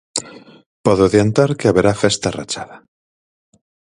Podo adiantar que haberá festa rachada.